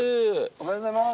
・おはようございます。